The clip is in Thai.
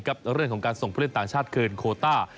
กับเรื่องของการส่งเพื่อนต่างชาติเกินโคต้า